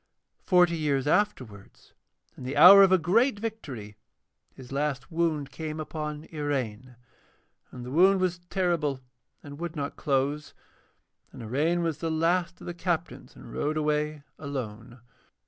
Forty years afterwards, in the hour of a great victory, his last wound came upon Iraine, and the wound was terrible and would not close. And Iraine was the last of the captains, and rode away alone.